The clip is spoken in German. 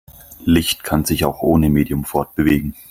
Licht kann sich auch ohne Medium fortbewegen.